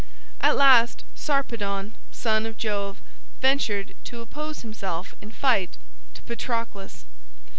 At last Sarpedon, son of Jove, ventured to oppose himself in fight to Patroclus.